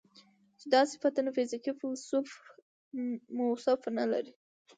چې دا صفتونه فزيکي موصوف نه لري